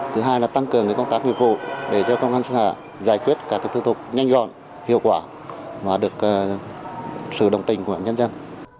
thứ hai là tăng cường công tác nghiệp vụ để cho công an xã giải quyết các thư thục nhanh gọn hiệu quả mà được sự đồng tình của nhân dân